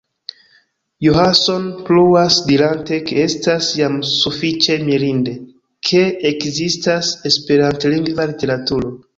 Johansson pluas dirante, ke estas jam sufiĉe mirinde, ke ekzistas esperantlingva literaturo.